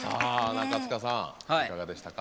中務さん、いかがでしたか。